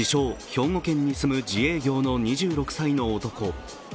・兵庫県に住む自営業の２６歳の男。